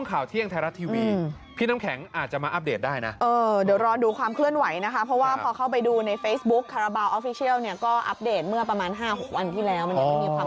มันยังไม่มีความขึ้นหน้าอะไรเกี่ยวกับเรื่องนี้ด้วย